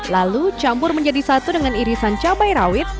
lalu campur menjadi satu dengan irisan cabai rawit